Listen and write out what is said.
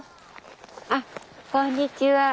あこんにちは。